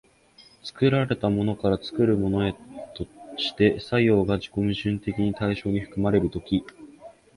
作られたものから作るものへとして作用が自己矛盾的に対象に含まれる時、